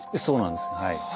そうなんですはい。